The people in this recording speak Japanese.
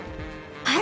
はい！